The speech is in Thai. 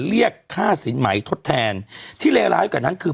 เรียกท่าสินหมายทดแทนที่เลลายกับนั้นคือ